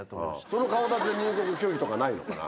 その顔で入国拒否とかないのかな？